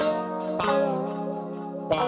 gue boleh minta tolong gak